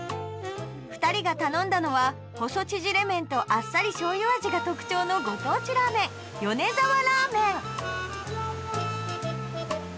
２人が頼んだのは細縮れ麺とあっさり醤油味が特徴のご当地ラーメン米沢ラーメン